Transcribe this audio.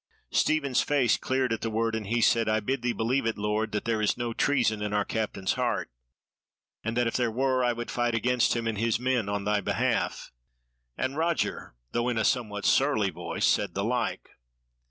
Stephen's face cleared at the word, and he said: "I bid thee believe it, lord, that there is no treason in our Captain's heart; and that if there were I would fight against him and his men on thy behalf." And Roger, though in a somewhat surly voice, said the like.